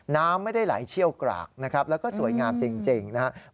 น้ำไม่ได้ไหลเชี่ยวกรากนะครับแล้วก็สวยงามจริงนะครับ